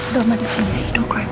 doma disini hidup keren